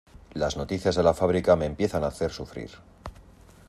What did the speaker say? Las noticias de la fábrica me empiezan a hacer sufrir.